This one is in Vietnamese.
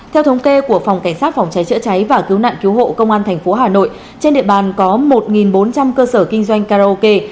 theo thống kê của phòng cảnh sát phòng cháy chữa cháy và cứu nạn cứu hộ công an tp hà nội trên địa bàn có một bốn trăm linh cơ sở kinh doanh karaoke